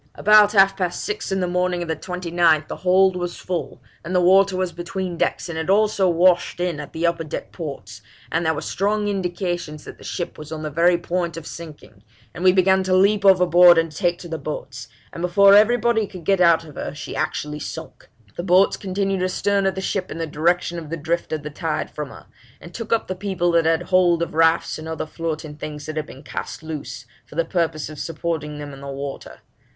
'About half past six in the morning of the 29th the hold was full, and the water was between decks, and it also washed in at the upper deck ports, and there were strong indications that the ship was on the very point of sinking, and we began to leap overboard and take to the boats, and before everybody could get out of her she actually sunk. The boats continued astern of the ship in the direction of the drift of the tide from her, and took up the people that had hold of rafts and other floating things that had been cast loose, for the purpose of supporting them on the water.